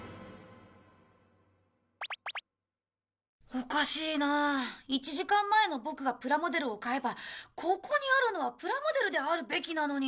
おかしいな１時間前のボクがプラモデルを買えばここにあるのはプラモデルであるべきなのに。